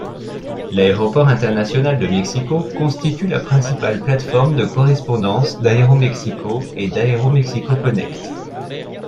L'aéroport international de Mexico constitue la principale plate-forme de correspondance d'Aeroméxico et d'Aeroméxico Connect.